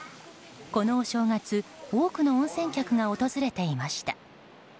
このお正月多くの温泉客が訪れていました。